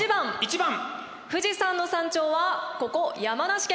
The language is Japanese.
富士山の山頂はここ山梨県。